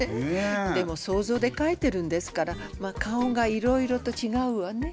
でも想像でかいてるんですからまあ顔がいろいろとちがうわね。